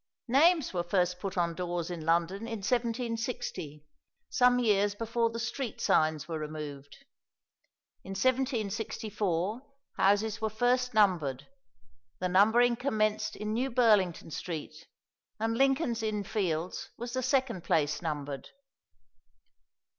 Names were first put on doors in London in 1760, some years before the street signs were removed. In 1764 houses were first numbered; the numbering commenced in New Burlington Street, and Lincoln's Inn Fields was the second place numbered.